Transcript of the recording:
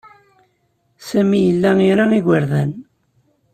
Sami yella ira igerdan.